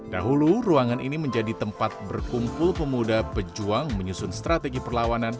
dahulu ruangan ini menjadi tempat berkumpul pemuda pejuang menyusun strategi perlawanan